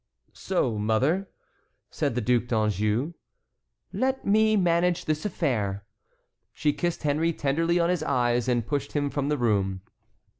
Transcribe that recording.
"So, mother"—said the Duc d'Anjou. "Let me manage this affair." She kissed Henry tenderly on his eyes and pushed him from the room.